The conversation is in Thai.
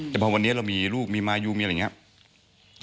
แต่พอวันนี้เรามีลูกมีมายูมีอะไรอย่างนี้